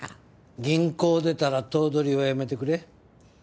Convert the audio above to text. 銀行出たら「頭取」はやめてくれ。